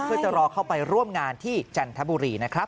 เพื่อจะรอเข้าไปร่วมงานที่จันทบุรีนะครับ